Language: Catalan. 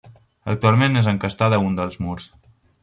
Actualment és encastada a un dels murs.